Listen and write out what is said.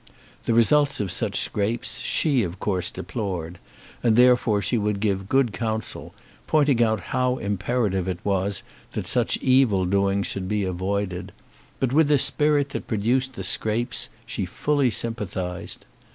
The results of such scrapes she, of course, deplored; and therefore she would give good counsel, pointing out how imperative it was that such evil doings should be avoided; but with the spirit that produced the scrapes she fully sympathised.